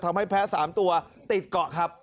ทำให้แพ้๓ตัวติดเกาะครับ